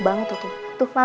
minta hai dariku karyanya